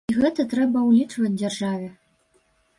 І гэта трэба ўлічваць дзяржаве.